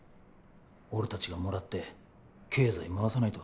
俺たちがもらって経済回さないと。